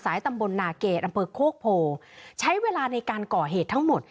ตำบลนาเกตอำเภอโคกโพใช้เวลาในการก่อเหตุทั้งหมด